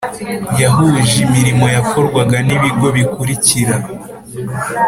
Yahuje imirimo yakorwaga n ibigo bikurikira